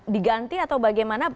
diganti atau bagaimana